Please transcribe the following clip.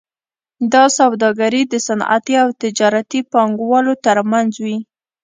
دا سوداګري د صنعتي او تجارتي پانګوالو ترمنځ وي